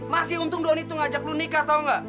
masih untung donny tuh ngajak lo nikah tau gak